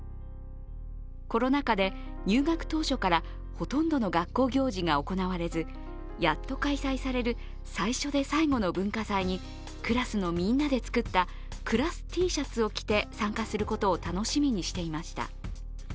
コロナ禍で入学当初からほとんどの学校行事が行われずやっと開催される最初で最後の文化祭にクラスのみんなで作ったクラスＴシャツを着て参加することを楽しみにしていました。